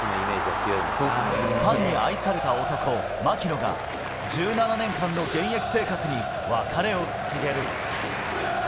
ファンに愛された男、槙野が、１７年間の現役生活に別れを告げる。